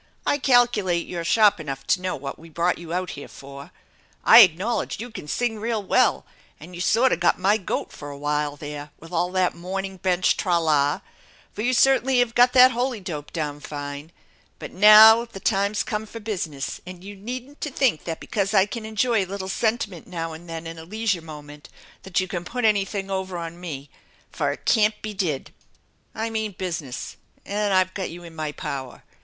I calculate you're sharp enough to know what we brought you put here for ? I acknowledge you can sing real well, and you aorta got my goat for a while there with all that mourning bench tra la, for you certainly have got that holy dope down fine; but now the time's come for business, and you needn't to think that because I can enjoy a little sentiment now and ihen in a leisure moment that you can put anything over on me, for it can't be did ! I mean business and I've got you in pay power!